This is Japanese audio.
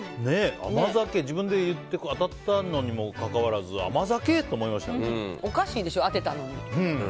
甘酒、自分で言って当たったにもかかわらずおかしいでしょ、当てたのに。